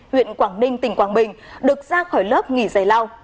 huyện quảng ninh tỉnh quảng bình được ra khỏi lớp nghỉ dày lao